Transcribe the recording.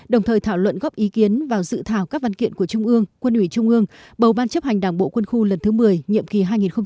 đồng thời thảo luận góp ý kiến vào dự thảo các văn kiện của trung ương quân ủy trung ương bầu ban chấp hành đảng bộ quân khu lần thứ một mươi nhiệm kỳ hai nghìn hai mươi hai nghìn hai mươi năm